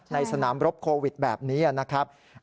ในสนามรบโควิดแบบนี้นะครับ